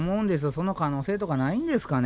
その可能性とかないんですかね。